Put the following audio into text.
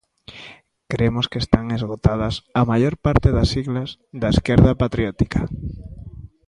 Cremos que están esgotadas a maior parte das siglas da esquerda patriótica.